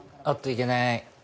おっといけない。